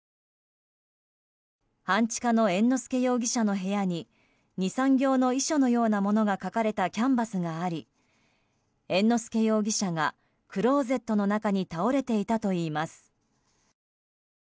半地下の猿之助容疑者の部屋に２３行の遺書のようなものが書かれたキャンバスがあり猿之助容疑者がクローゼットの中に倒れていたといいます。